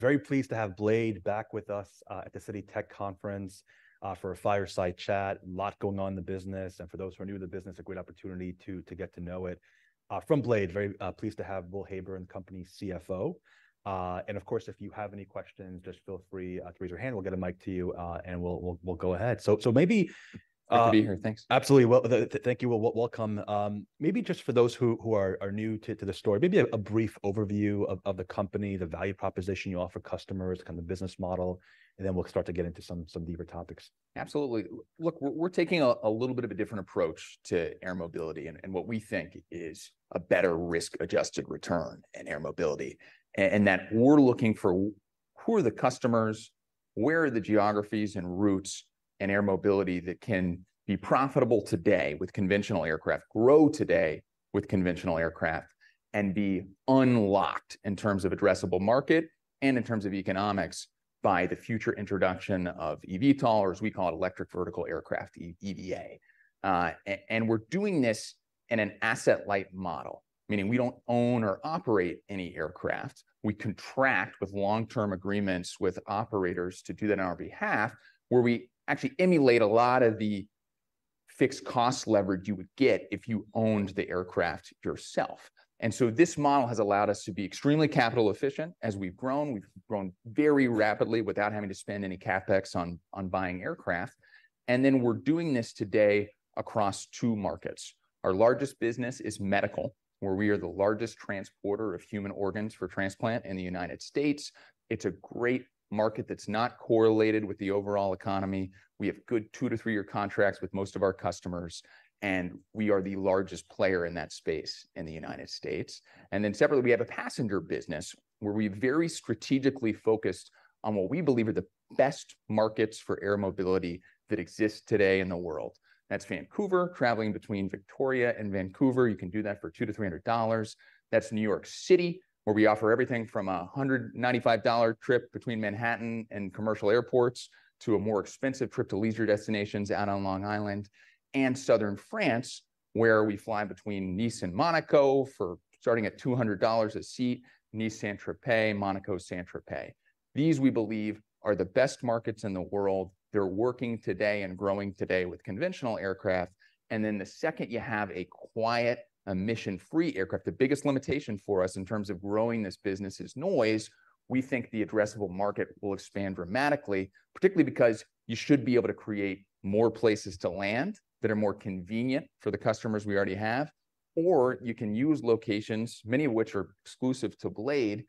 Very pleased to have Blade back with us at the Citi Tech Conference for a fireside chat. A lot going on in the business, and for those who are new to the business, a great opportunity to get to know it. From Blade, very pleased to have Will Heyburn, the company's CFO. And of course, if you have any questions, just feel free to raise your hand. We'll get a mic to you, and we'll go ahead. Maybe Happy to be here. Thanks. Absolutely. Well, thank you. We welcome. Maybe just for those who are new to the story, maybe a brief overview of the company, the value proposition you offer customers, kind of the business model, and then we'll start to get into some deeper topics. Absolutely. Look, we're taking a little bit of a different approach to air mobility, and what we think is a better risk-adjusted return in air mobility. And that we're looking for who are the customers, where are the geographies and routes in air mobility that can be profitable today with conventional aircraft, grow today with conventional aircraft, and be unlocked in terms of addressable market and in terms of economics by the future introduction of eVTOL, or as we call it, Electric Vertical Aircraft, EVA. And we're doing this in an asset-light model, meaning we don't own or operate any aircraft. We contract with long-term agreements with operators to do that on our behalf, where we actually emulate a lot of the fixed cost leverage you would get if you owned the aircraft yourself. This model has allowed us to be extremely capital efficient as we've grown. We've grown very rapidly without having to spend any CapEx on buying aircraft, and then we're doing this today across two markets. Our largest business is medical, where we are the largest transporter of human organs for transplant in the United States. It's a great market that's not correlated with the overall economy. We have good two-three year contracts with most of our customers, and we are the largest player in that space in the United States. And then separately, we have a passenger business, where we very strategically focused on what we believe are the best markets for air mobility that exist today in the world. That's Vancouver, traveling between Victoria and Vancouver. You can do that for $200-$300. That's New York City, where we offer everything from a $195 trip between Manhattan and commercial airports to a more expensive trip to leisure destinations out on Long Island, and Southern France, where we fly between Nice and Monaco for starting at $200 a seat, Nice, Saint-Tropez, Monaco, Saint-Tropez. These, we believe, are the best markets in the world. They're working today and growing today with conventional aircraft, and then the second you have a quiet, emission-free aircraft, the biggest limitation for us in terms of growing this business is noise. We think the addressable market will expand dramatically, particularly because you should be able to create more places to land that are more convenient for the customers we already have, or you can use locations, many of which are exclusive to Blade,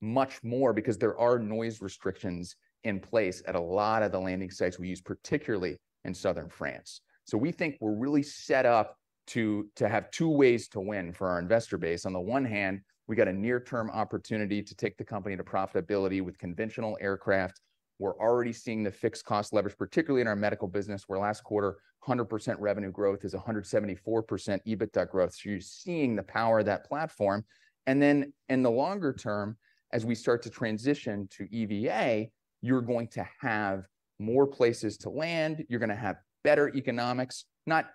much more because there are noise restrictions in place at a lot of the landing sites we use, particularly in Southern France. So we think we're really set up to have two ways to win for our investor base. On the one hand, we've got a near-term opportunity to take the company to profitability with conventional aircraft. We're already seeing the fixed cost leverage, particularly in our medical business, where last quarter, 100% revenue growth is a 174% EBITDA growth. So you're seeing the power of that platform. And then in the longer term, as we start to transition to EVA, you're going to have more places to land, you're gonna have better economics, not,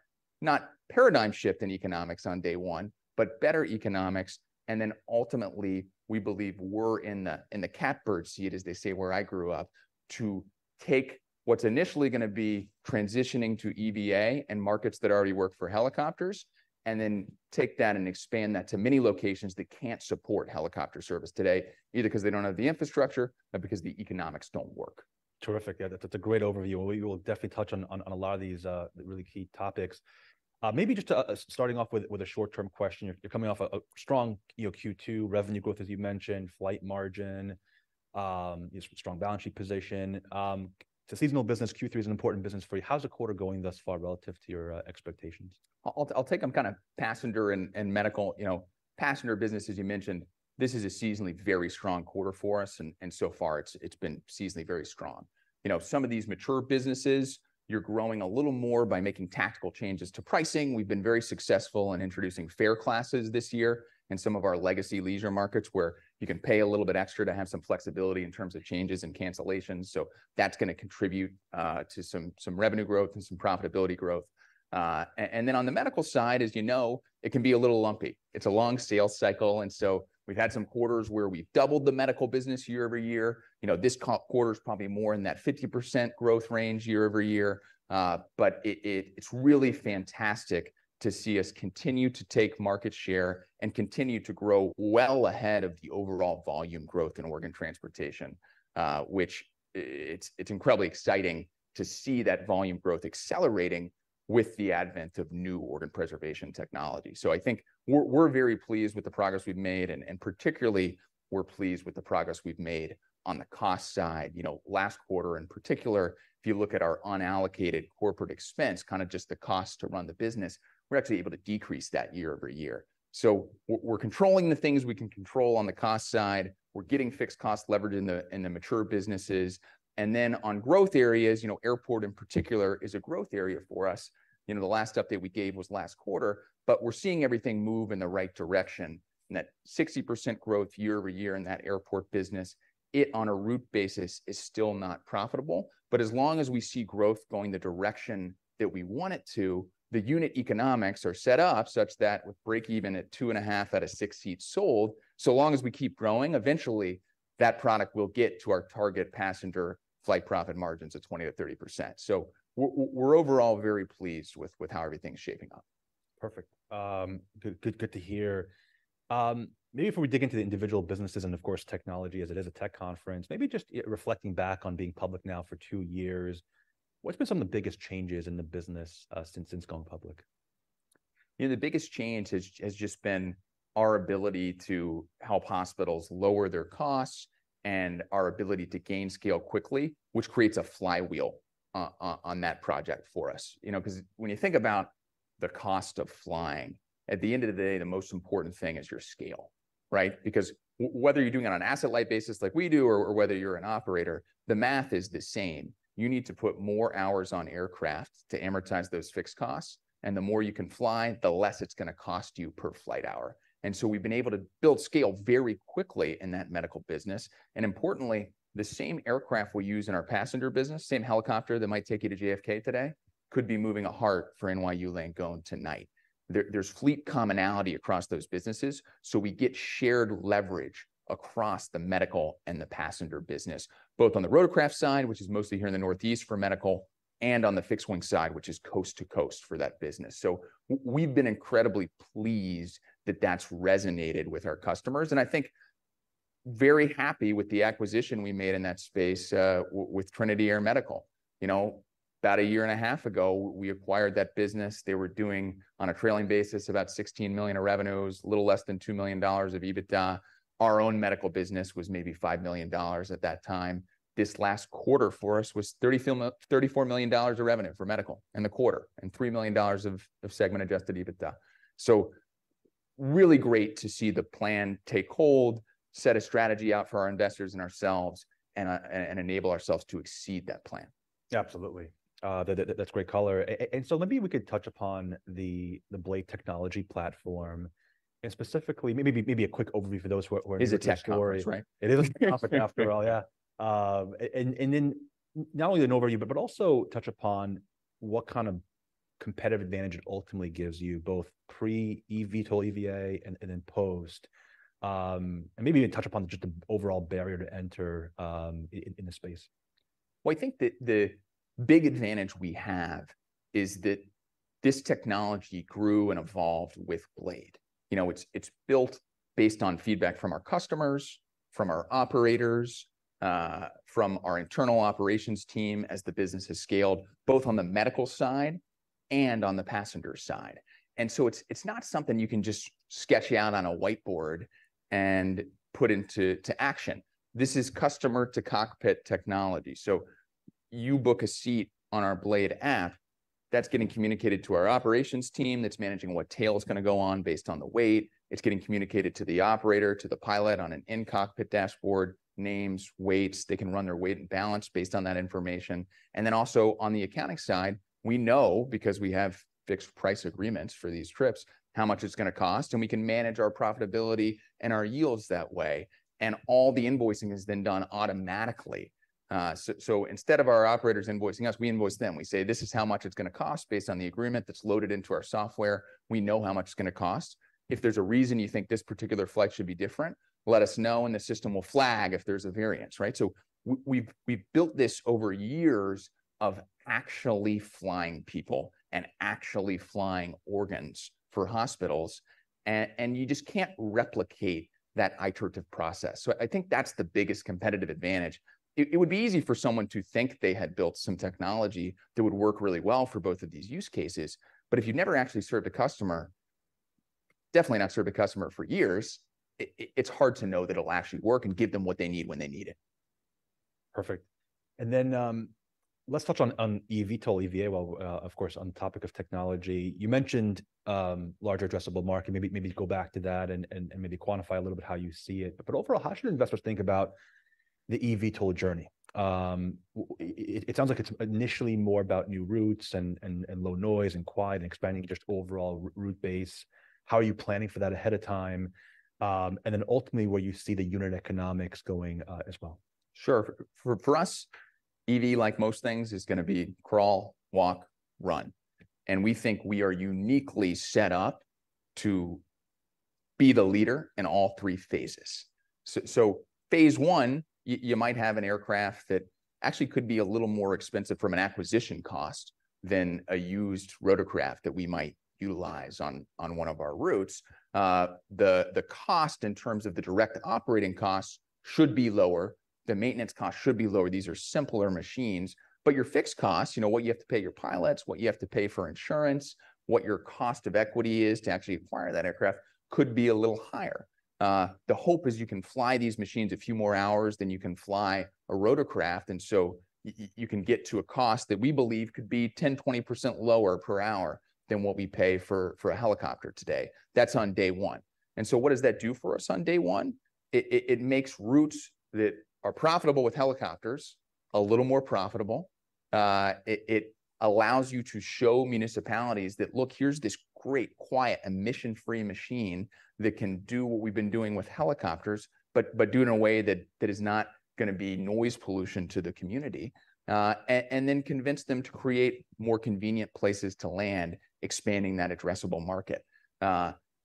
not paradigm shift in economics on day one, but better economics. And then ultimately, we believe we're in the, in the catbird seat, as they say, where I grew up, to take what's initially gonna be transitioning to EVA and markets that already work for helicopters, and then take that and expand that to many locations that can't support helicopter service today, either 'cause they don't have the infrastructure or because the economics don't work. Terrific. Yeah, that's a great overview, and we will definitely touch on a lot of these really key topics. Maybe just starting off with a short-term question. You're coming off a strong, you know, Q2 revenue growth, as you mentioned, flight margin, strong balance sheet position. It's a seasonal business. Q3 is an important business for you. How's the quarter going thus far relative to your expectations? I'll take on kinda passenger and medical. You know, passenger business, as you mentioned, this is a seasonally very strong quarter for us, and so far it's been seasonally very strong. You know, some of these mature businesses, you're growing a little more by making tactical changes to pricing. We've been very successful in introducing fare classes this year in some of our legacy leisure markets, where you can pay a little bit extra to have some flexibility in terms of changes and cancellations, so that's gonna contribute to some revenue growth and some profitability growth. And then on the medical side, as you know, it can be a little lumpy. It's a long sales cycle, and so we've had some quarters where we've doubled the medical business year-over-year. You know, this quarter's probably more in that 50% growth range year-over-year. But it's really fantastic to see us continue to take market share and continue to grow well ahead of the overall volume growth in organ transportation, which it's incredibly exciting to see that volume growth accelerating with the advent of new organ preservation technology. So I think we're very pleased with the progress we've made, and particularly, we're pleased with the progress we've made on the cost side. You know, last quarter in particular, if you look at our unallocated corporate expense, kind of just the cost to run the business, we're actually able to decrease that year-over-year. So we're controlling the things we can control on the cost side. We're getting fixed cost leverage in the mature businesses. Then on growth areas, you know, airport in particular is a growth area for us. You know, the last update we gave was last quarter, but we're seeing everything move in the right direction, and that 60% growth year-over-year in that airport business, it, on a route basis, is still not profitable. But as long as we see growth going the direction that we want it to, the unit economics are set up such that we break even at two and half out of six seats sold. So long as we keep growing, eventually, that product will get to our target passenger flight profit margins of 20%-30%. So we're overall very pleased with how everything's shaping up. Perfect. Good, good to hear. Maybe before we dig into the individual businesses and, of course, technology, as it is a tech conference, maybe just reflecting back on being public now for two years, what's been some of the biggest changes in the business, since going public? You know, the biggest change has just been our ability to help hospitals lower their costs and our ability to gain scale quickly, which creates a flywheel on that project for us. You know, 'cause when you think about the cost of flying, at the end of the day, the most important thing is your scale, right? Because whether you're doing it on an asset-light basis like we do, or whether you're an operator, the math is the same. You need to put more hours on aircraft to amortize those fixed costs, and the more you can fly, the less it's going to cost you per flight hour. And so we've been able to build scale very quickly in that medical business, and importantly, the same aircraft we use in our passenger business, same helicopter that might take you to JFK today, could be moving a heart for NYU Langone tonight. There, there's fleet commonality across those businesses, so we get shared leverage across the medical and the passenger business, both on the rotorcraft side, which is mostly here in the northeast for medical, and on the fixed-wing side, which is coast to coast for that business. So we've been incredibly pleased that that's resonated with our customers, and I think very happy with the acquisition we made in that space, with Trinity Air Medical. You know, about a year and a half ago, we acquired that business. They were doing, on a trailing basis, about $16 million of revenues, a little less than $2 million of EBITDA. Our own medical business was maybe $5 million at that time. This last quarter for us was $34 million of revenue for medical in the quarter, and $3 million of segment adjusted EBITDA. So really great to see the plan take hold, set a strategy out for our investors and ourselves, and enable ourselves to exceed that plan. Absolutely. That's great color. And so maybe we could touch upon the Blade technology platform, and specifically, maybe a quick overview for those who are- It is a tech conference, right? It is a tech conference after all, yeah. And then not only an overview, but also touch upon what kind of competitive advantage it ultimately gives you, both pre-eVTOL EVA, and then post. And maybe even touch upon just the overall barrier to enter in the space. Well, I think the big advantage we have is that this technology grew and evolved with Blade. You know, it's built based on feedback from our customers, from our operators, from our internal operations team as the business has scaled, both on the medical side and on the passenger side. So it's not something you can just sketch out on a whiteboard and put into action. This is customer-to-cockpit technology. So you book a seat on our Blade App, that's getting communicated to our operations team, that's managing what tail it's going to go on based on the weight. It's getting communicated to the operator, to the pilot on an in-cockpit dashboard, names, weights. They can run their weight and balance based on that information. And then also, on the accounting side, we know, because we have fixed price agreements for these trips, how much it's going to cost, and we can manage our profitability and our yields that way. And all the invoicing is then done automatically. So, so instead of our operators invoicing us, we invoice them. We say, "This is how much it's going to cost based on the agreement that's loaded into our software. We know how much it's going to cost. If there's a reason you think this particular flight should be different, let us know, and the system will flag if there's a variance," right? So we've built this over years of actually flying people and actually flying organs for hospitals, and you just can't replicate that iterative process. So I think that's the biggest competitive advantage. It would be easy for someone to think they had built some technology that would work really well for both of these use cases, but if you've never actually served a customer, definitely not served a customer for years, it's hard to know that it'll actually work and give them what they need when they need it. Perfect. And then, let's touch on eVTOL EVA, well, of course, on topic of technology. You mentioned larger addressable market. Maybe go back to that and maybe quantify a little bit how you see it. But overall, how should investors think about the eVTOL journey? It sounds like it's initially more about new routes and low noise and quiet and expanding just overall route base. How are you planning for that ahead of time? And then ultimately, where you see the unit economics going, as well. Sure. For us, EV, like most things, is going to be crawl, walk, run. And we think we are uniquely set up to be the leader in all three phases. So phase one, you might have an aircraft that actually could be a little more expensive from an acquisition cost than a used rotorcraft that we might utilize on one of our routes. The cost in terms of the direct operating costs should be lower, the maintenance costs should be lower. These are simpler machines, but your fixed costs, you know, what you have to pay your pilots, what you have to pay for insurance, what your cost of equity is to actually acquire that aircraft, could be a little higher. The hope is you can fly these machines a few more hours than you can fly a rotorcraft, and so you can get to a cost that we believe could be 10%-20% lower per hour than what we pay for a helicopter today. That's on day one. And so what does that do for us on day one? It makes routes that are profitable with helicopters a little more profitable. It allows you to show municipalities that, "Look, here's this great, quiet, emission-free machine that can do what we've been doing with helicopters, but do it in a way that is not going to be noise pollution to the community." And then convince them to create more convenient places to land, expanding that addressable market.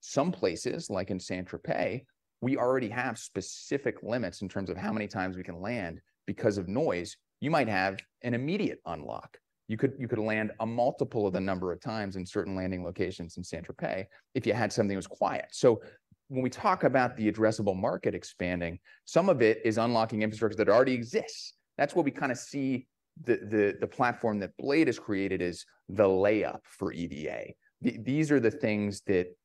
Some places, like in Saint-Tropez-... We already have specific limits in terms of how many times we can land because of noise; you might have an immediate unlock. You could land a multiple of the number of times in certain landing locations in Saint-Tropez if you had something that was quiet. So when we talk about the addressable market expanding, some of it is unlocking infrastructure that already exists. That's where we kinda see the platform that Blade has created as the layup for EVA. These are the things that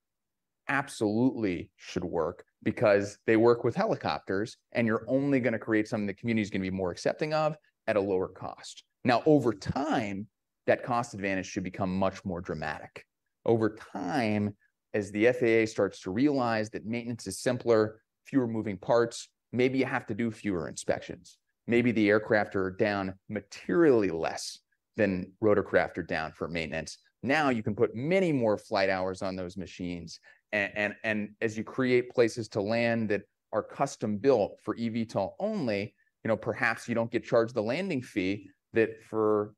absolutely should work because they work with helicopters, and you're only gonna create something the community's gonna be more accepting of at a lower cost. Now, over time, that cost advantage should become much more dramatic. Over time, as the FAA starts to realize that maintenance is simpler, fewer moving parts, maybe you have to do fewer inspections. Maybe the aircraft are down materially less than rotorcraft are down for maintenance. Now, you can put many more flight hours on those machines, and as you create places to land that are custom-built for eVTOL only, you know, perhaps you don't get charged the landing fee that for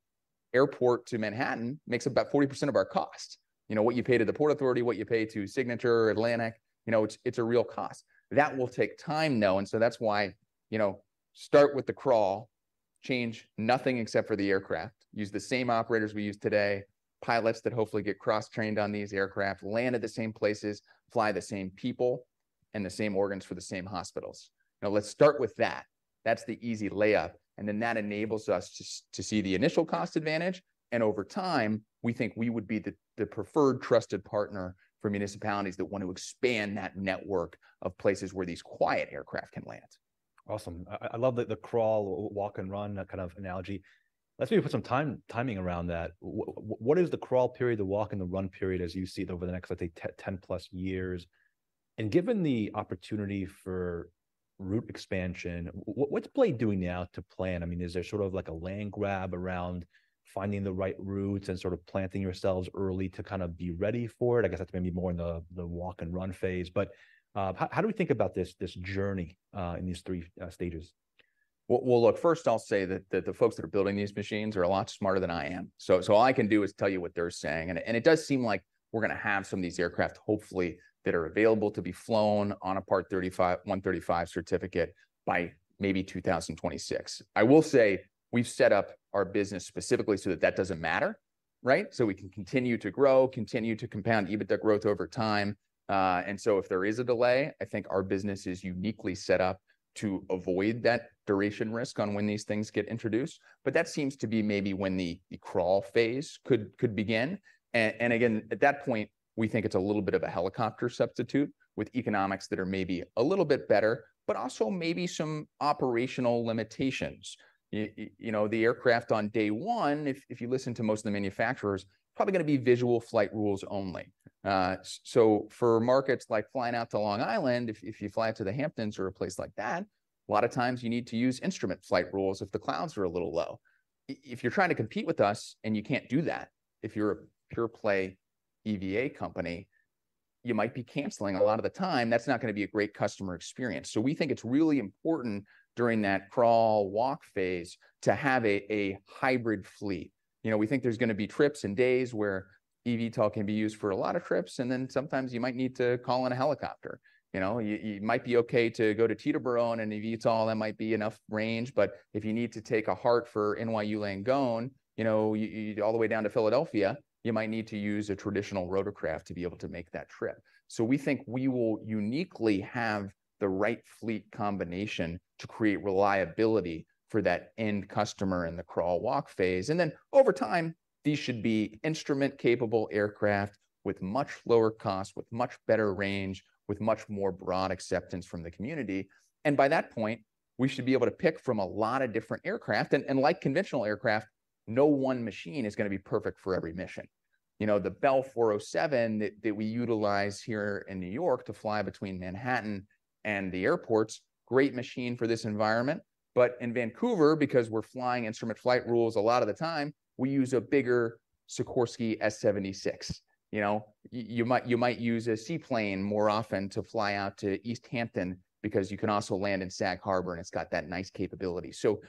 airport to Manhattan makes up about 40% of our cost. You know, what you pay to the Port Authority, what you pay to Signature, Atlantic, you know, it's a real cost. That will take time, though, and so that's why, you know, start with the crawl, change nothing except for the aircraft. Use the same operators we use today, pilots that hopefully get cross-trained on these aircraft, land at the same places, fly the same people, and the same organs for the same hospitals. Now, let's start with that. That's the easy layup, and then that enables us to see the initial cost advantage, and over time, we think we would be the, the preferred trusted partner for municipalities that want to expand that network of places where these quiet aircraft can land. Awesome. I love the crawl, walk and run, that kind of analogy. Let's maybe put some timing around that. What is the crawl period, the walk, and the run period as you see it over the next, I think, 10+ years? And given the opportunity for route expansion, what's Blade doing now to plan? I mean, is there sort of like a land grab around finding the right routes and sort of planting yourselves early to kind of be ready for it? I guess that's maybe more in the walk and run phase, but how do we think about this journey in these three stages? Well, well, look, first, I'll say that the folks that are building these machines are a lot smarter than I am. So all I can do is tell you what they're saying, and it does seem like we're gonna have some of these aircraft, hopefully, that are available to be flown on a Part 135 certificate by maybe 2026. I will say we've set up our business specifically so that that doesn't matter, right? So we can continue to grow, continue to compound EBITDA growth over time. And so if there is a delay, I think our business is uniquely set up to avoid that duration risk on when these things get introduced. But that seems to be maybe when the crawl phase could begin. And again, at that point, we think it's a little bit of a helicopter substitute with economics that are maybe a little bit better, but also maybe some operational limitations. You know, the aircraft on day one, if you listen to most of the manufacturers, probably gonna be visual flight rules only. So for markets like flying out to Long Island, if you fly out to the Hamptons or a place like that, a lot of times you need to use instrument flight rules if the clouds are a little low. If you're trying to compete with us, and you can't do that, if you're a pure-play EVA company, you might be canceling a lot of the time. That's not gonna be a great customer experience. So we think it's really important during that crawl, walk phase to have a hybrid fleet. You know, we think there's gonna be trips and days where eVTOL can be used for a lot of trips, and then sometimes you might need to call in a helicopter. You know, you might be okay to go to Teterboro on an eVTOL, that might be enough range, but if you need to take a heart for NYU Langone, you know, all the way down to Philadelphia, you might need to use a traditional rotorcraft to be able to make that trip. So we think we will uniquely have the right fleet combination to create reliability for that end customer in the crawl, walk phase. And then, over time, these should be instrument-capable aircraft with much lower cost, with much better range, with much more broad acceptance from the community. And by that point, we should be able to pick from a lot of different aircraft, and like conventional aircraft, no one machine is gonna be perfect for every mission. You know, the Bell 407 that we utilize here in New York to fly between Manhattan and the airports, great machine for this environment. But in Vancouver, because we're flying instrument flight rules a lot of the time, we use a bigger Sikorsky S-76. You know, you might use a seaplane more often to fly out to East Hampton because you can also land in Sag Harbor, and it's got that nice capability. So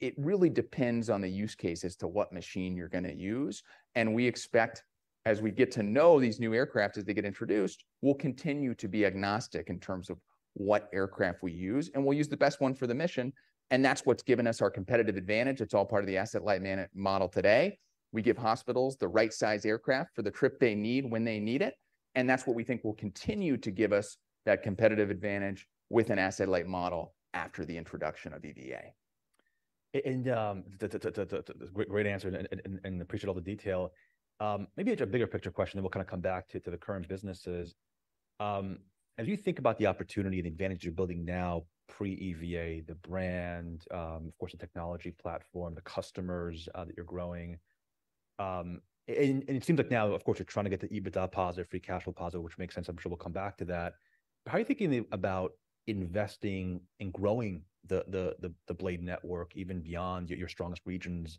it really depends on the use case as to what machine you're gonna use, and we expect, as we get to know these new aircraft as they get introduced, we'll continue to be agnostic in terms of what aircraft we use, and we'll use the best one for the mission, and that's what's given us our competitive advantage. It's all part of the asset-light model today. We give hospitals the right size aircraft for the trip they need, when they need it, and that's what we think will continue to give us that competitive advantage with an asset-light model after the introduction of EVA. Great, great answer, and appreciate all the detail. Maybe it's a bigger picture question, and we'll kind of come back to the current businesses. As you think about the opportunity and the advantage of building now pre-EVA, the brand, of course, the technology platform, the customers that you're growing, and it seems like now, of course, you're trying to get the EBITDA positive, free cash flow positive, which makes sense. I'm sure we'll come back to that. How are you thinking about investing and growing the Blade network, even beyond your strongest regions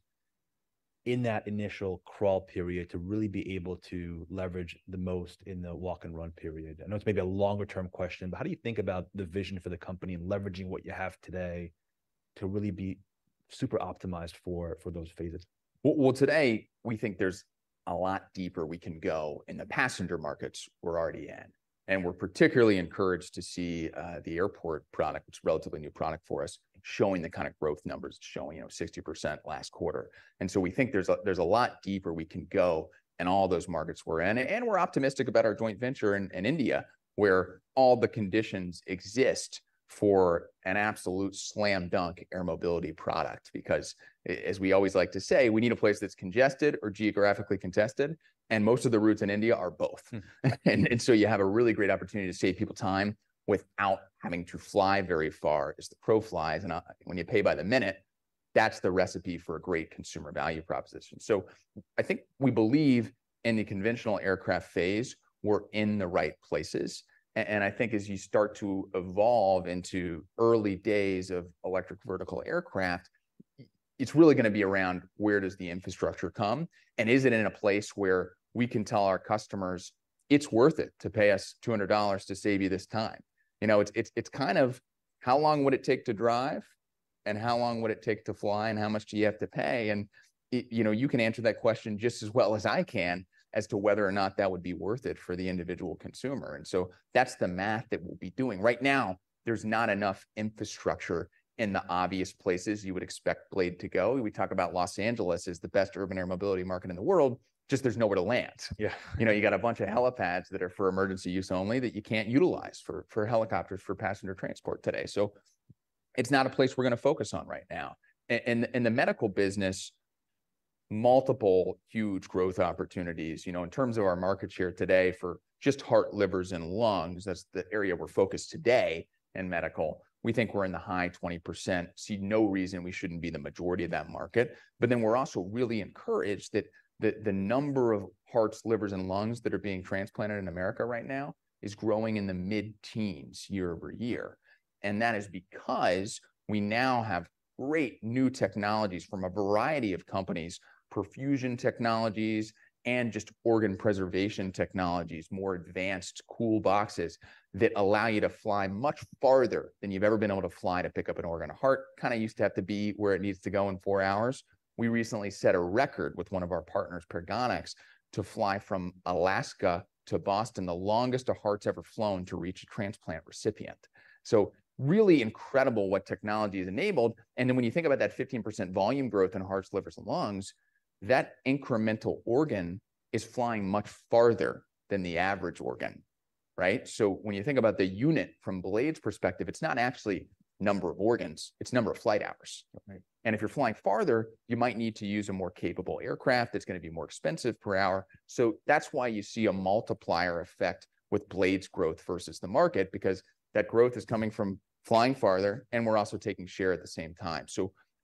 in that initial crawl period, to really be able to leverage the most in the walk and run period? I know it's maybe a longer-term question, but how do you think about the vision for the company and leveraging what you have today... to really be super optimized for those phases? Well, well, today, we think there's a lot deeper we can go in the passenger markets we're already in, and we're particularly encouraged to see the airport product, it's a relatively new product for us, showing the kind of growth numbers. It's showing, you know, 60% last quarter. And so we think there's a lot deeper we can go in all those markets we're in. And we're optimistic about our joint venture in India, where all the conditions exist for an absolute slam dunk air mobility product, because as we always like to say, we need a place that's congested or geographically contested, and most of the routes in India are both. And so you have a really great opportunity to save people time without having to fly very far as the crow flies. And, when you pay by the minute, that's the recipe for a great consumer value proposition. So I think we believe in the conventional aircraft phase, we're in the right places. And I think as you start to evolve into early days of Electric Vertical Aircraft, it's really gonna be around where does the infrastructure come, and is it in a place where we can tell our customers: "It's worth it to pay us $200 to save you this time?" You know, it's kind of how long would it take to drive, and how long would it take to fly, and how much do you have to pay? And, you know, you can answer that question just as well as I can as to whether or not that would be worth it for the individual consumer. And so that's the math that we'll be doing. Right now, there's not enough infrastructure in the obvious places you would expect Blade to go. We talk about Los Angeles as the best urban air mobility market in the world, just there's nowhere to land. Yeah. You know, you got a bunch of helipads that are for emergency use only, that you can't utilize for helicopters for passenger transport today. So it's not a place we're gonna focus on right now. In the medical business, multiple huge growth opportunities. You know, in terms of our market share today for just heart, livers, and lungs, that's the area we're focused today in medical, we think we're in the high 20%. See no reason we shouldn't be the majority of that market. But then we're also really encouraged that the number of hearts, livers, and lungs that are being transplanted in America right now is growing in the mid-teens year over year. That is because we now have great new technologies from a variety of companies, perfusion technologies, and just organ preservation technologies, more advanced cool boxes, that allow you to fly much farther than you've ever been able to fly to pick up an organ. A heart kinda used to have to be where it needs to go in four hours. We recently set a record with one of our partners, Paragonix, to fly from Alaska to Boston, the longest a heart's ever flown to reach a transplant recipient. So really incredible what technology has enabled. And then when you think about that 15% volume growth in hearts, livers, and lungs, that incremental organ is flying much farther than the average organ, right? So when you think about the unit from Blade's perspective, it's not actually number of organs, it's number of flight hours. Right. If you're flying farther, you might need to use a more capable aircraft that's gonna be more expensive per hour. So that's why you see a multiplier effect with Blade's growth versus the market, because that growth is coming from flying farther, and we're also taking share at the same time.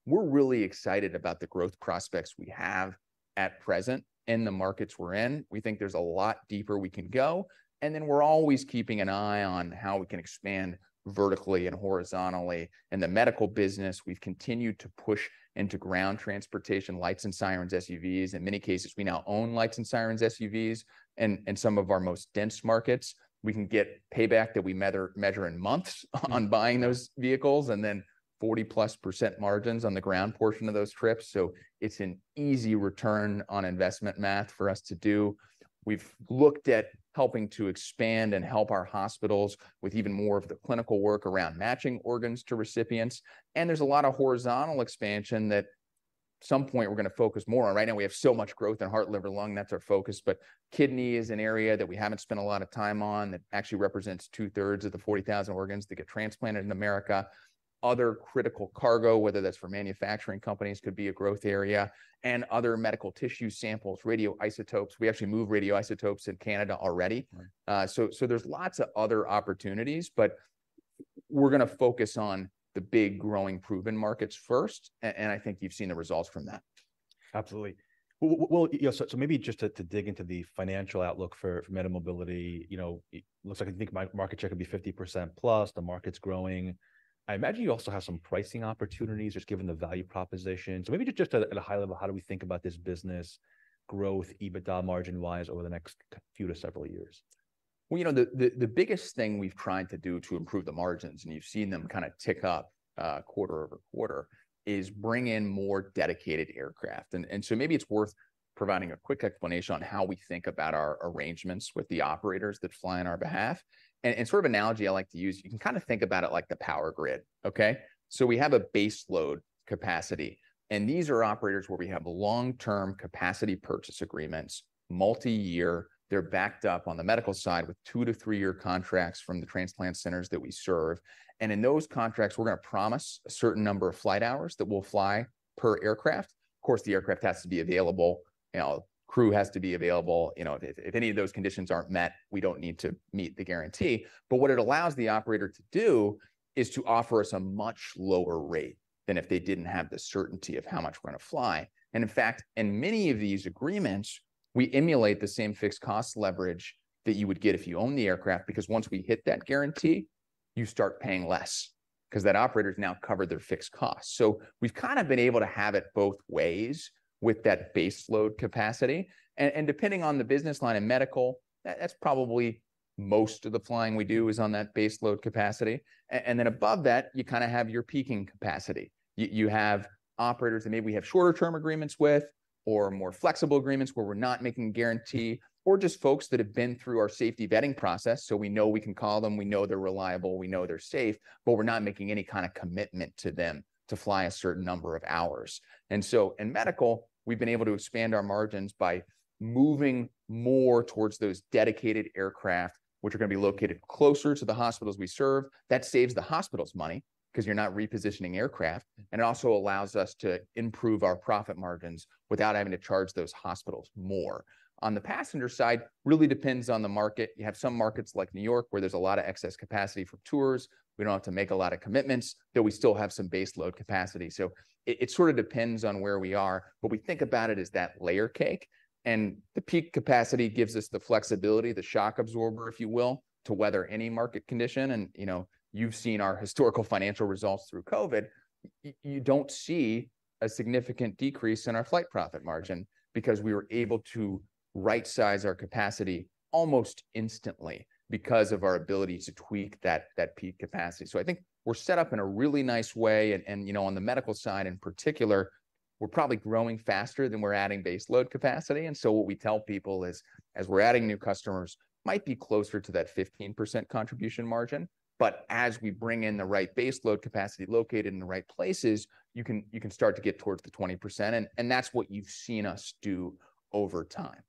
So we're really excited about the growth prospects we have at present in the markets we're in. We think there's a lot deeper we can go, and then we're always keeping an eye on how we can expand vertically and horizontally. In the medical business, we've continued to push into ground transportation, lights and sirens, SUVs. In many cases, we now own lights and sirens, SUVs, and some of our most dense markets, we can get payback that we measure in months on buying those vehicles, and then 40%+ margins on the ground portion of those trips. So it's an easy return on investment math for us to do. We've looked at helping to expand and help our hospitals with even more of the clinical work around matching organs to recipients, and there's a lot of horizontal expansion that at some point we're gonna focus more on. Right now, we have so much growth in heart, liver, lung, that's our focus, but kidney is an area that we haven't spent a lot of time on, that actually represents two-thirds of the 40,000 organs that get transplanted in America. Other critical cargo, whether that's for manufacturing companies, could be a growth area, and other medical tissue samples, radioisotopes. We actually move radioisotopes in Canada already. Right. So, so there's lots of other opportunities, but we're gonna focus on the big, growing, proven markets first, and I think you've seen the results from that. Absolutely. Well, yeah, so maybe just to dig into the financial outlook for MediMobility, you know, it looks like I think my market share could be 50%+, the market's growing. I imagine you also have some pricing opportunities, just given the value proposition. So maybe just at a high level, how do we think about this business growth, EBITDA margin-wise over the next few to several years? Well, you know, the biggest thing we've tried to do to improve the margins, and you've seen them kinda tick up quarter-over-quarter, is bring in more dedicated aircraft. So maybe it's worth providing a quick explanation on how we think about our arrangements with the operators that fly on our behalf. And sort of analogy I like to use, you can kind of think about it like the power grid, okay? So we have a base load capacity, and these are operators where we have long-term capacity purchase agreements, multi-year. They're backed up on the medical side with two-three year contracts from the transplant centers that we serve. And in those contracts, we're gonna promise a certain number of flight hours that we'll fly per aircraft. Of course, the aircraft has to be available, you know, crew has to be available. You know, if any of those conditions aren't met, we don't need to meet the guarantee. But what it allows the operator to do is to offer us a much lower rate than if they didn't have the certainty of how much we're gonna fly. And in fact, in many of these agreements, we emulate the same fixed cost leverage that you would get if you own the aircraft, because once we hit that guarantee, you start paying less, 'cause that operator's now covered their fixed cost. So we've kind of been able to have it both ways with that base load capacity. And depending on the business line and medical, that's probably most of the flying we do is on that base load capacity. And then above that, you kind of have your peaking capacity. You have operators that maybe we have shorter term agreements with, or more flexible agreements where we're not making a guarantee, or just folks that have been through our safety vetting process, so we know we can call them, we know they're reliable, we know they're safe, but we're not making any kind of commitment to them to fly a certain number of hours. So in medical, we've been able to expand our margins by moving more towards those dedicated aircraft, which are gonna be located closer to the hospitals we serve. That saves the hospitals money, 'cause you're not repositioning aircraft, and it also allows us to improve our profit margins without having to charge those hospitals more. On the passenger side, really depends on the market. You have some markets like New York, where there's a lot of excess capacity for tours. We don't have to make a lot of commitments, though we still have some base load capacity. So it sort of depends on where we are, but we think about it as that layer cake, and the peak capacity gives us the flexibility, the shock absorber, if you will, to weather any market condition, and, you know, you've seen our historical financial results through COVID. You don't see a significant decrease in our flight profit margin, because we were able to rightsize our capacity almost instantly because of our ability to tweak that peak capacity. So I think we're set up in a really nice way, and, and, you know, on the medical side in particular, we're probably growing faster than we're adding base load capacity. And so what we tell people is, as we're adding new customers, might be closer to that 15% contribution margin, but as we bring in the right base load capacity located in the right places, you can, you can start to get towards the 20%, and, and that's what you've seen us do over time.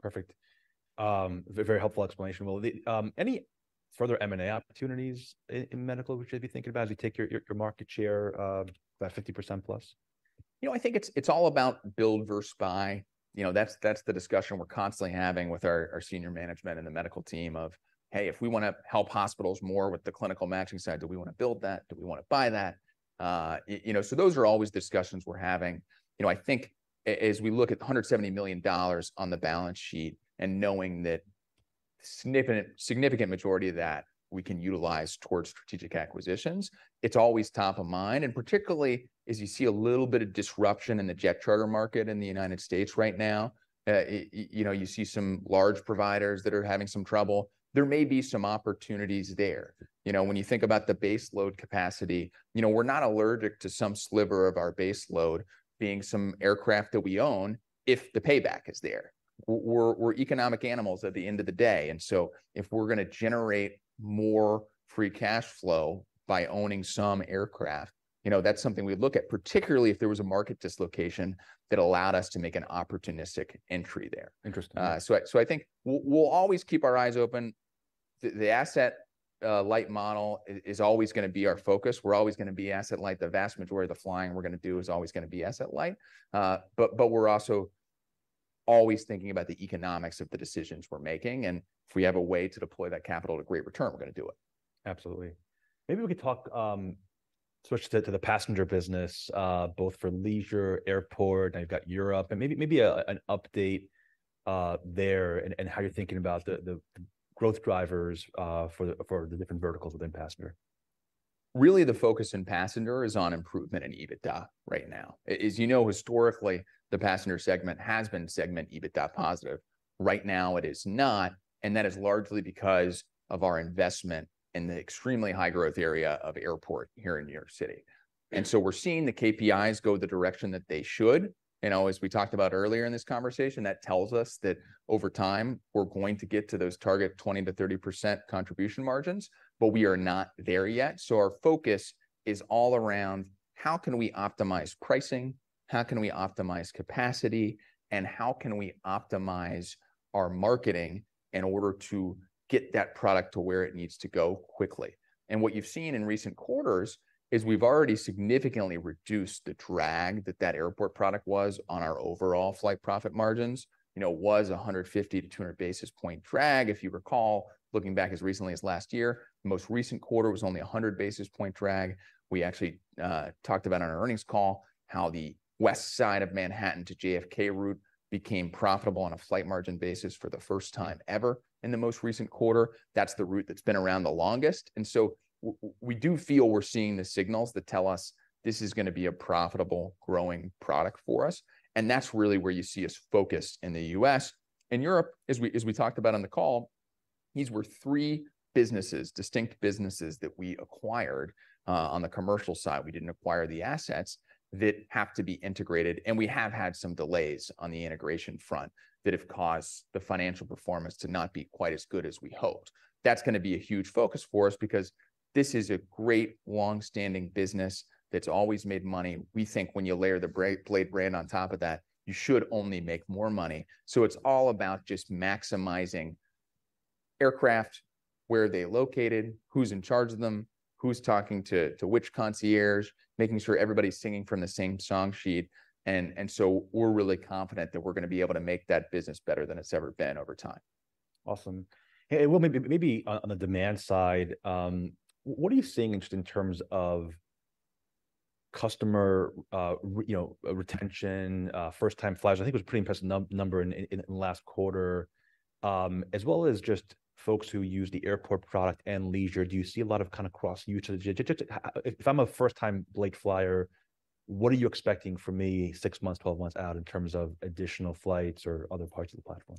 Perfect. Very helpful explanation. Well, any further M&A opportunities in medical we should be thinking about as we take your market share by 50%+? You know, I think it's all about build versus buy. You know, that's the discussion we're constantly having with our senior management and the medical team of, "Hey, if we wanna help hospitals more with the clinical matching side, do we wanna build that? Do we wanna buy that?" You know, so those are always discussions we're having. You know, I think as we look at the $170 million on the balance sheet, and knowing that significant, significant majority of that we can utilize towards strategic acquisitions, it's always top of mind, and particularly as you see a little bit of disruption in the jet charter market in the United States right now, you know, you see some large providers that are having some trouble, there may be some opportunities there. You know, when you think about the base load capacity, you know, we're not allergic to some sliver of our base load being some aircraft that we own if the payback is there. We're, we're economic animals at the end of the day, and so if we're gonna generate more free cash flow by owning some aircraft, you know, that's something we'd look at, particularly if there was a market dislocation that allowed us to make an opportunistic entry there. Interesting. So I think we'll always keep our eyes open. The asset light model is always gonna be our focus. We're always gonna be asset light. The vast majority of the flying we're gonna do is always gonna be asset light. But we're also always thinking about the economics of the decisions we're making, and if we have a way to deploy that capital at a great return, we're gonna do it. Absolutely. Maybe we could talk, switch to the passenger business, both for leisure, airport, now you've got Europe, and maybe an update there and how you're thinking about the growth drivers for the different verticals within passenger. Really, the focus in passenger is on improvement in EBITDA right now. As you know, historically, the passenger segment has been segment EBITDA positive. Right now it is not, and that is largely because of our investment in the extremely high growth area of airport here in New York City. Yeah. So we're seeing the KPIs go the direction that they should. You know, as we talked about earlier in this conversation, that tells us that over time we're going to get to those target 20%-30% contribution margins, but we are not there yet. Our focus is all around how can we optimize pricing, how can we optimize capacity, and how can we optimize our marketing in order to get that product to where it needs to go quickly? And what you've seen in recent quarters is we've already significantly reduced the drag that that airport product was on our overall flight profit margins. You know, it was a 150-200 basis point drag, if you recall, looking back as recently as last year. Most recent quarter was only a 100 basis point drag. We actually talked about on our earnings call how the West Side of Manhattan to JFK route became profitable on a flight margin basis for the first time ever in the most recent quarter. That's the route that's been around the longest, and so we do feel we're seeing the signals that tell us this is gonna be a profitable, growing product for us, and that's really where you see us focused in the U.S. In Europe, as we talked about on the call, these were three businesses, distinct businesses, that we acquired on the commercial side, we didn't acquire the assets that have to be integrated, and we have had some delays on the integration front that have caused the financial performance to not be quite as good as we hoped. That's gonna be a huge focus for us, because this is a great, long-standing business that's always made money. We think when you layer the Blade brand on top of that, you should only make more money. So it's all about just maximizing aircraft, where are they located, who's in charge of them, who's talking to which concierge, making sure everybody's singing from the same song sheet, and so we're really confident that we're gonna be able to make that business better than it's ever been over time. Awesome. Hey, well, maybe, maybe on, on the demand side, what are you seeing just in terms of customer, you know, retention, first-time flyers? I think it was a pretty impressive number in last quarter, as well as just folks who use the airport product and leisure. Do you see a lot of kind of cross-usage? If I'm a first-time Blade flyer... What are you expecting from me six months, 12 months out in terms of additional flights or other parts of the platform?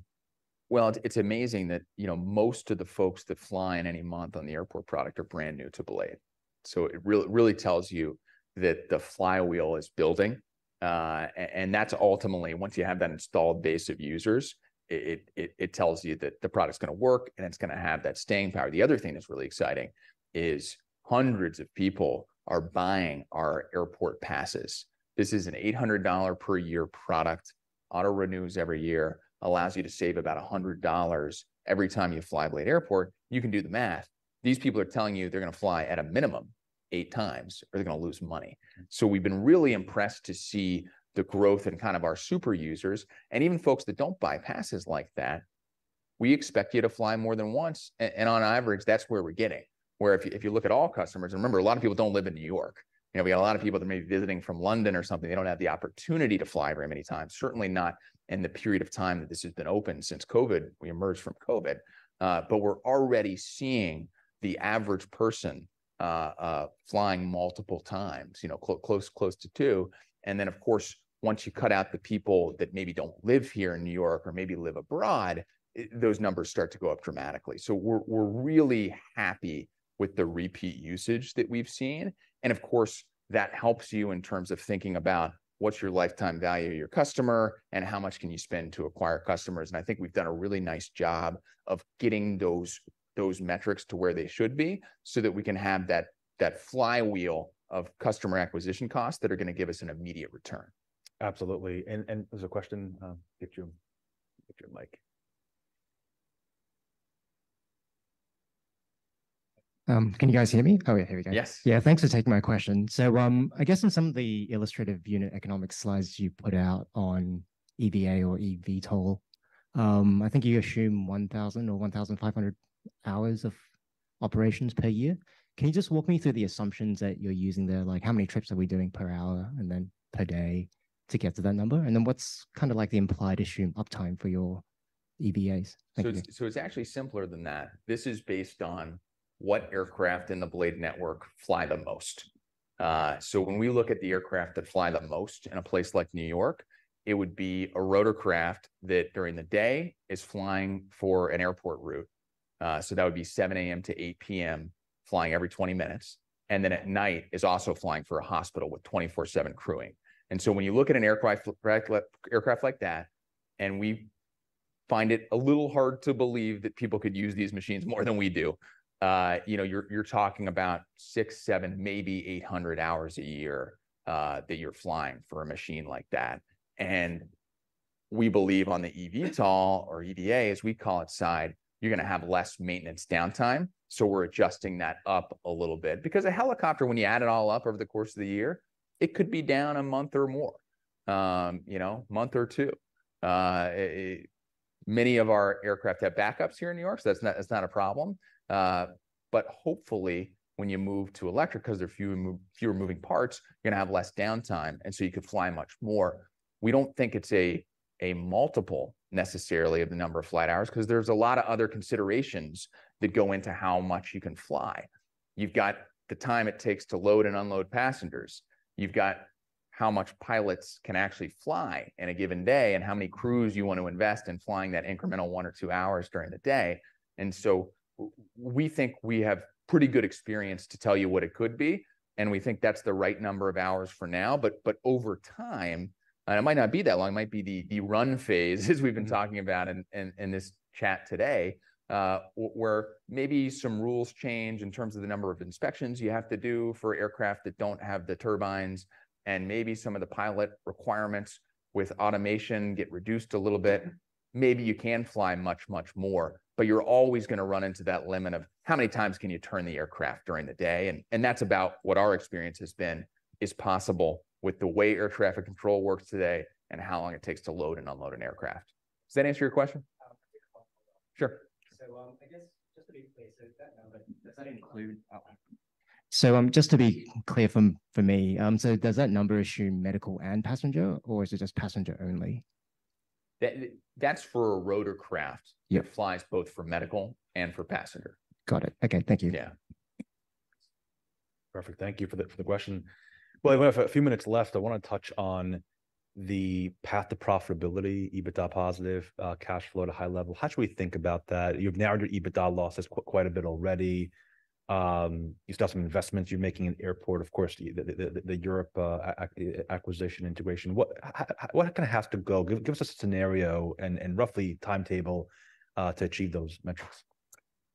Well, it's amazing that, you know, most of the folks that fly in any month on the airport product are brand new to Blade. So it really tells you that the flywheel is building, and that's ultimately, once you have that installed base of users, it tells you that the product's gonna work, and it's gonna have that staying power. The other thing that's really exciting is hundreds of people are buying our airport passes. This is an $800 per year product, auto-renews every year, allows you to save about $100 every time you fly Blade Airport. You can do the math. These people are telling you they're gonna fly at a minimum 8x, or they're gonna lose money. So we've been really impressed to see the growth in kind of our super users, and even folks that don't buy passes like that, we expect you to fly more than once. And on average, that's where we're getting. If you look at all customers, and remember, a lot of people don't live in New York. You know, we got a lot of people that may be visiting from London or something. They don't have the opportunity to fly very many times, certainly not in the period of time that this has been open since COVID. We emerged from COVID. We're already seeing the average person, you know, flying multiple times, you know, close to two, and then, of course, once you cut out the people that maybe don't live here in New York or maybe live abroad, those numbers start to go up dramatically. We're really happy with the repeat usage that we've seen, and of course, that helps you in terms of thinking about what's your lifetime value of your customer, and how much can you spend to acquire customers. I think we've done a really nice job of getting those metrics to where they should be, so that we can have that flywheel of customer acquisition costs that are gonna give us an immediate return. Absolutely. There's a question. Get your mic. Can you guys hear me? Oh, yeah, here we go. Yes. Yeah, thanks for taking my question. So, I guess in some of the illustrative unit economic slides you put out on EVA or eVTOL, I think you assume 1,000 or 1,500 hours of operations per year. Can you just walk me through the assumptions that you're using there? Like, how many trips are we doing per hour, and then per day to get to that number? And then what's kind of like the implied issue uptime for your EVAs? Thank you. So, it's actually simpler than that. This is based on what aircraft in the Blade network fly the most. So when we look at the aircraft that fly the most in a place like New York, it would be a rotorcraft that, during the day, is flying for an airport route. So that would be 7:00 A.M. to 8:00 P.M., flying every 20 minutes, and then at night, is also flying for a hospital with 24/7 crewing. And so when you look at an aircraft like that, and we find it a little hard to believe that people could use these machines more than we do, you know, you're talking about 600, 700, maybe 800 hours a year that you're flying for a machine like that. We believe on the eVTOL, or EVA, as we call it, side, you're gonna have less maintenance downtime, so we're adjusting that up a little bit. Because a helicopter, when you add it all up over the course of the year, it could be down a month or more, you know, month or two. Many of our aircraft have backups here in New York, so that's not, that's not a problem. But hopefully, when you move to electric, 'cause there are fewer moving parts, you're gonna have less downtime, and so you could fly much more. We don't think it's a multiple necessarily of the number of flight hours, 'cause there's a lot of other considerations that go into how much you can fly. You've got the time it takes to load and unload passengers. You've got how much pilots can actually fly in a given day, and how many crews you want to invest in flying that incremental one or two hours during the day. And so we think we have pretty good experience to tell you what it could be, and we think that's the right number of hours for now. But over time, and it might not be that long, it might be the run phase as we've been talking about in this chat today, where maybe some rules change in terms of the number of inspections you have to do for aircraft that don't have the turbines, and maybe some of the pilot requirements with automation get reduced a little bit. Maybe you can fly much, much more, but you're always gonna run into that limit of how many times can you turn the aircraft during the day, and that's about what our experience has been is possible with the way air traffic control works today and how long it takes to load and unload an aircraft. Does that answer your question? Um, Sure. I guess, just to be clear, so that number, does that include... Just to be clear for me, so does that number assume medical and passenger, or is it just passenger only? That, that's for a rotorcraft- Yeah. -that flies both for medical and for passenger. Got it. Okay, thank you. Yeah. Perfect. Thank you for the question. Well, we have a few minutes left. I wanna touch on the path to profitability, EBITDA positive, cash flow to high level. How should we think about that? You've narrowed your EBITDA losses quite a bit already. You've done some investments. You're making an airport, of course, the Europe acquisition integration. What kinda has to go? Give us a scenario and roughly timetable to achieve those metrics.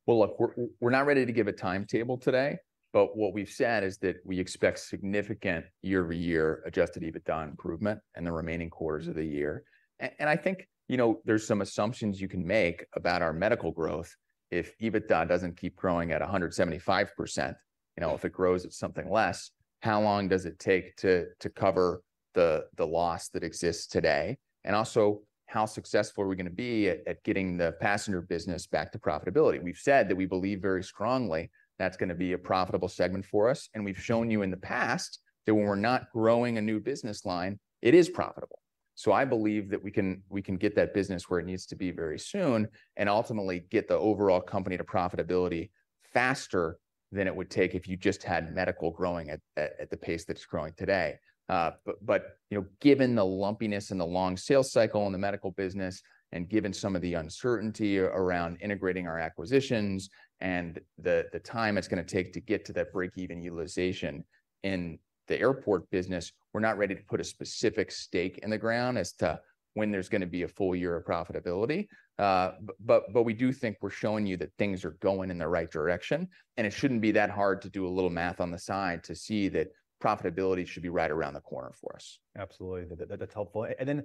Well, look, we're not ready to give a timetable today, but what we've said is that we expect significant year-over-year adjusted EBITDA improvement in the remaining quarters of the year. And I think, you know, there's some assumptions you can make about our medical growth if EBITDA doesn't keep growing at 175%. You know, if it grows at something less, how long does it take to cover the loss that exists today? And also, how successful are we gonna be at getting the passenger business back to profitability? We've said that we believe very strongly that's gonna be a profitable segment for us, and we've shown you in the past that when we're not growing a new business line, it is profitable. So I believe that we can, we can get that business where it needs to be very soon, and ultimately get the overall company to profitability faster than it would take if you just had medical growing at the pace that it's growing today. But, you know, given the lumpiness and the long sales cycle in the medical business, and given some of the uncertainty around integrating our acquisitions, and the time it's gonna take to get to that break-even utilization in the airport business, we're not ready to put a specific stake in the ground as to when there's gonna be a full year of profitability. But we do think we're showing you that things are going in the right direction, and it shouldn't be that hard to do a little math on the side to see that profitability should be right around the corner for us. Absolutely. That, that's helpful. And then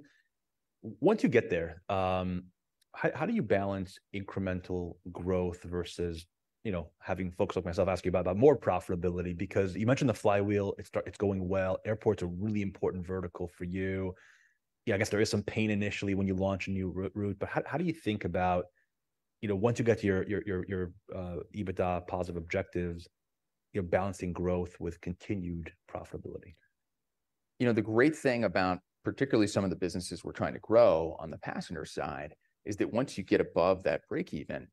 once you get there, how do you balance incremental growth versus, you know, having folks like myself ask you about more profitability? Because you mentioned the flywheel, it's going well. Airports are a really important vertical for you. Yeah, I guess there is some pain initially when you launch a new route, but how do you think about, you know, once you get to your EBITDA positive objectives, you're balancing growth with continued profitability? You know, the great thing about particularly some of the businesses we're trying to grow on the passenger side, is that once you get above that break even,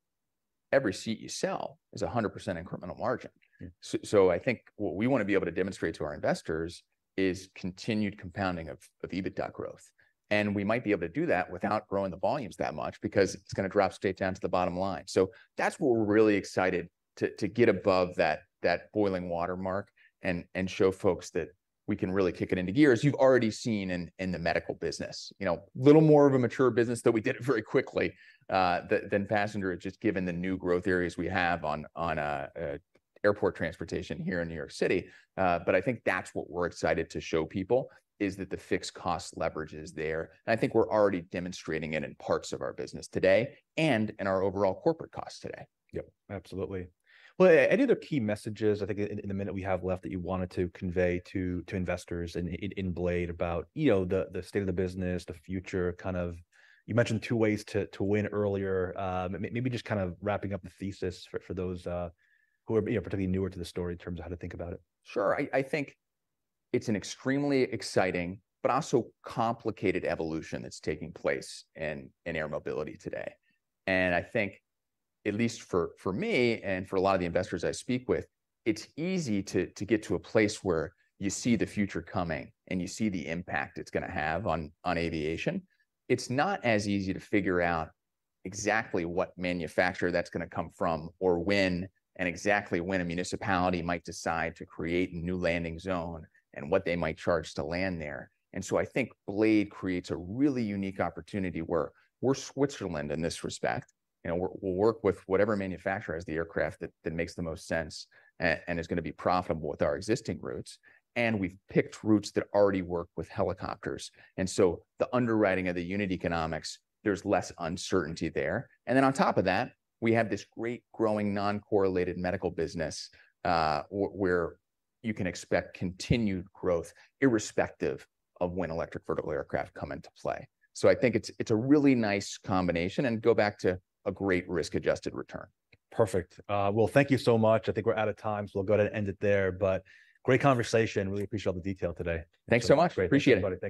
every seat you sell is 100% incremental margin. Yeah. I think what we wanna be able to demonstrate to our investors is continued compounding of EBITDA growth. And we might be able to do that without growing the volumes that much, because it's gonna drop straight down to the bottom line. So that's what we're really excited to get above that boiling water mark and show folks that we can really kick it into gear, as you've already seen in the medical business. You know, a little more of a mature business, though we did it very quickly than passenger, just given the new growth areas we have on airport transportation here in New York City. But I think that's what we're excited to show people, is that the fixed cost leverage is there, and I think we're already demonstrating it in parts of our business today and in our overall corporate costs today. Yep, absolutely. Well, any other key messages, I think in the minute we have left, that you wanted to convey to investors in Blade about, you know, the state of the business, the future? Kind of you mentioned two ways to win earlier. Maybe just kind of wrapping up the thesis for those who are, you know, particularly newer to the story in terms of how to think about it. Sure. I, I think it's an extremely exciting but also complicated evolution that's taking place in, in air mobility today. And I think, at least for, for me and for a lot of the investors I speak with, it's easy to, to get to a place where you see the future coming, and you see the impact it's gonna have on, on aviation. It's not as easy to figure out exactly what manufacturer that's gonna come from, or when, and exactly when a municipality might decide to create a new landing zone and what they might charge to land there. And so I think Blade creates a really unique opportunity where we're Switzerland in this respect. You know, we'll work with whatever manufacturer has the aircraft that makes the most sense and is gonna be profitable with our existing routes, and we've picked routes that already work with helicopters. And so the underwriting of the unit economics, there's less uncertainty there. And then on top of that, we have this great, growing, non-correlated medical business, where you can expect continued growth irrespective of when Electric Vertical Aircraft come into play. So I think it's a really nice combination, and go back to a great risk-adjusted return. Perfect. Well, thank you so much. I think we're out of time, so we'll go ahead and end it there, but great conversation. Really appreciate all the detail today. Thanks so much. Great. Appreciate it. Thanks, everybody. Thank you.